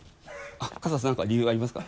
春日さん何か理由ありますか？